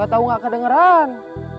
gatau gak kedengeran bos